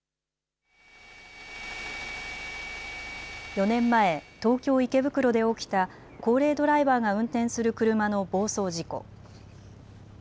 ４年前、東京・池袋で起きた高齢ドライバーが運転する車の暴走事故。